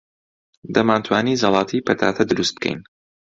دەمانتوانی زەڵاتەی پەتاتە دروست بکەین.